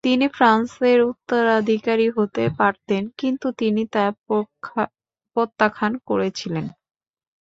তিনি ফ্রান্সের উত্তরাধিকারী হতে পারতেন, কিন্তু তিনি তা প্রত্যাখ্যান করেছিলেন।